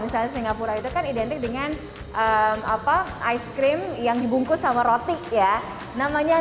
misalnya singapura itu kan identik dengan apa ice cream yang dibungkus sama roti ya namanya